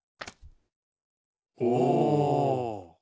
お！